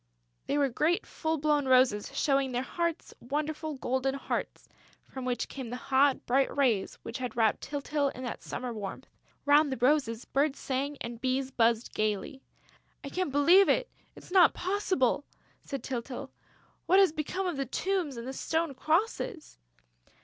They were great full blown roses, showing their hearts, wonderful golden hearts from which came the hot, bright rays which had wrapped Tyltyl in that summer warmth. Round the roses, birds sang and bees buzzed gaily. "I can't believe it! It's not possible!" said Tyltyl. "What has become of the tombs and the stone crosses?"